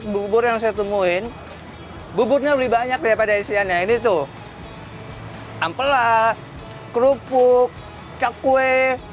bubur yang saya temuin buburnya lebih banyak daripada isiannya ini tuh ampela kerupuk cakwe